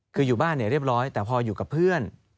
คืออยู่บ้านเนี่ยเรียบร้อยแต่พออยู่กับเพื่อน